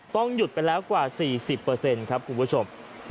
ต้องหยุดไปแล้วกว่า๔๐ครับคุณผู้ชม